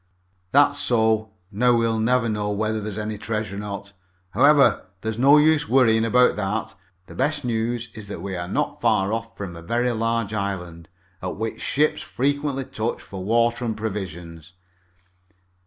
"That's so. Now we'll never know whether there was any treasure or not. However, there's no use worrying about that. The best news is that we are not far off from a very large island, at which ships frequently touch for water and provisions."